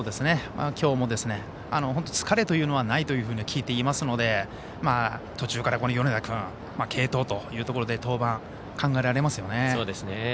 きょうも疲れというのはないというふうに聞いていますので途中から米田君継投というところで登板、考えられますよね。